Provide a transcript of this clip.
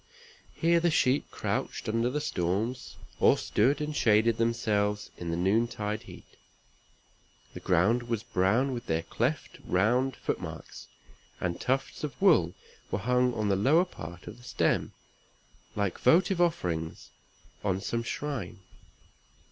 Here the sheep crouched under the storms, or stood and shaded themselves in the noontide heat. The ground was brown with their cleft round foot marks; and tufts of wool were hung on the lower part of the stem, like votive offerings on some shrine.